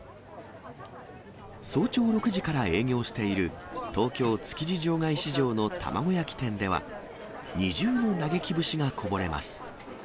早朝６時から営業している、東京・築地場外市場の卵焼き店では、二重の嘆き節がこぼれます。